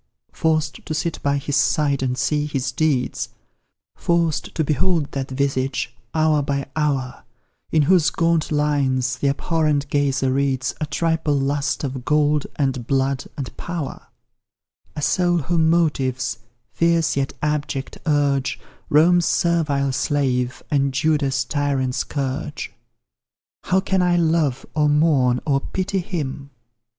Forced to sit by his side and see his deeds; Forced to behold that visage, hour by hour, In whose gaunt lines the abhorrent gazer reads A triple lust of gold, and blood, and power; A soul whom motives fierce, yet abject, urge Rome's servile slave, and Judah's tyrant scourge. How can I love, or mourn, or pity him?